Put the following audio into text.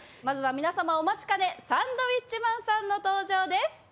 まずは皆様お待ちかねサンドウィッチマンさんの登場です。